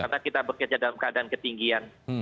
karena kita bekerja dalam keadaan ketinggian